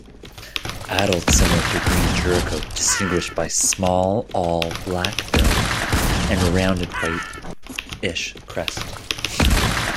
Adult similar to green turaco, distinguished by small all-black bill and rounded whitish crest.